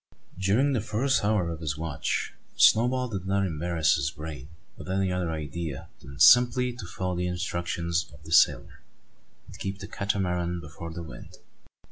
During the first hour of his watch, Snowball did not embarrass his brain with any other idea than simply to follow the instructions of the sailor, and keep the Catamaran before the wind.